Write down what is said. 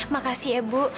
makasih ya bu